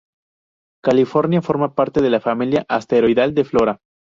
California forma parte de la familia asteroidal de Flora.